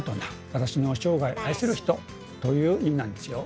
「私の生涯愛する人」という意味なんですよ。